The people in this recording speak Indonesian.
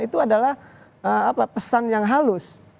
itu adalah pesan yang halus